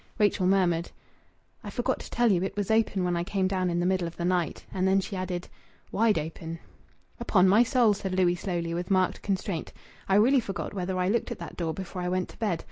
Rachel murmured "I forgot to tell you; it was open when I came down in the middle of the night." And then she added: "Wide open." "Upon my soul!" said Louis slowly, with marked constraint. "I really forget whether I looked at that door before I went to bed.